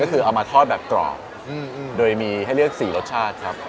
ก็คือเอามาทอดแบบกรอบโดยมีให้เลือก๔รสชาติครับ